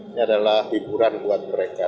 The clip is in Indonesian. ini adalah hiburan buat mereka